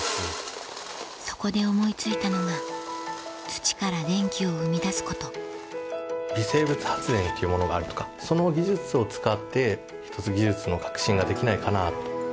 そこで思い付いたのが土から電気を生み出すこと微生物発電っていうものがあるとかその技術を使って１つ技術の革新ができないかなと。